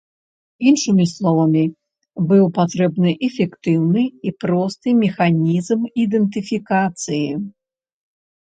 Іншымі словамі, быў патрэбны эфектыўны і просты механізм ідэнтыфікацыі.